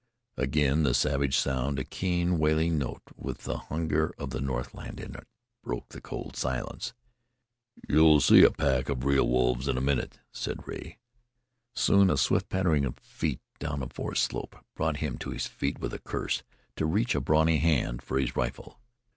Again the savage sound, a keen wailing note with the hunger of the northland in it, broke the cold silence. "You'll see a pack of real wolves in a minute," said Rea. Soon a swift pattering of feet down a forest slope brought him to his feet with a curse to reach a brawny hand for his rifle.